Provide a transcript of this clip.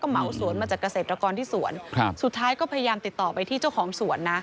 เหมาสวนมาจากเกษตรกรที่สวนครับสุดท้ายก็พยายามติดต่อไปที่เจ้าของสวนนะ